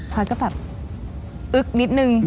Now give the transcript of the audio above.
พอยก็แบบอึ๊กนิดนึง